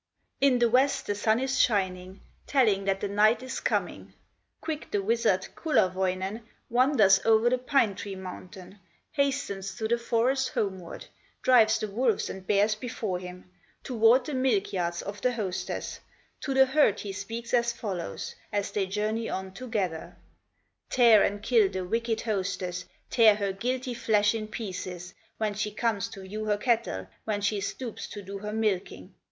In the west the Sun is shining, Telling that the night is coming. Quick the wizard, Kullerwoinen, Wanders o'er the pine tree mountain, Hastens through the forest homeward, Drives the wolves and bears before him Toward the milk yards of the hostess; To the herd he speaks as follows, As they journey on together: "Tear and kill the wicked hostess, Tear her guilty flesh in pieces, When she comes to view her cattle, When she stoops to do her milking!"